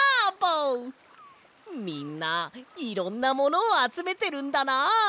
みんないろんなものをあつめてるんだな！